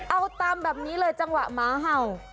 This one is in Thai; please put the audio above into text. เอาตามแบบนี้เลยจังหวะหมาเห่า